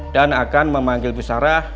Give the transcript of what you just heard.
dan akan memanggil bu sarah